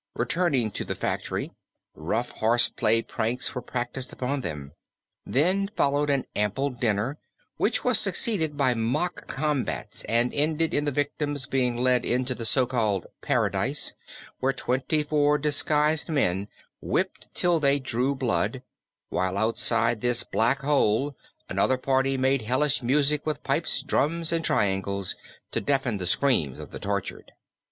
Returned to the factory, rough horse play pranks were practised upon them. Then followed an ample dinner, which was succeeded by mock combats, and ended in the victims being led into the so called Paradise, where twenty four disguised men whipped them till they drew blood, while outside this black hole another party made hellish music with pipes, drums and triangles to deafen the screams of the tortured.